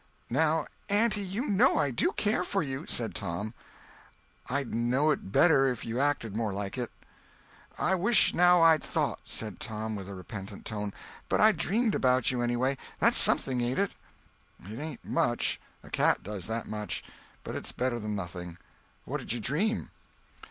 "Now, auntie, you know I do care for you," said Tom. "I'd know it better if you acted more like it." "I wish now I'd thought," said Tom, with a repentant tone; "but I dreamt about you, anyway. That's something, ain't it?" "It ain't much—a cat does that much—but it's better than nothing. What did you dream?"